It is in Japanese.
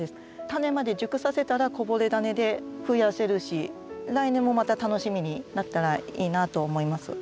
タネまで熟させたらこぼれダネでふやせるし来年もまた楽しみになったらいいなと思います。